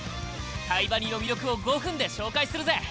「タイバニ」の魅力を５分で紹介するぜ！